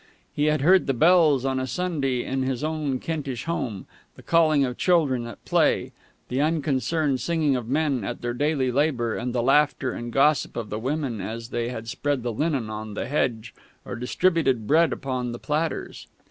He had heard the bells on a Sunday in his own Kentish home, the calling of children at play, the unconcerned singing of men at their daily labour, and the laughter and gossip of the women as they had spread the linen on the hedge or distributed bread upon the platters.